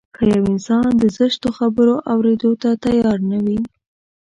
که يو انسان د زشتو خبرو اورېدو ته تيار نه وي.